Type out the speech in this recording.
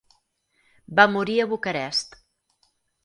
Va morir a Bucarest.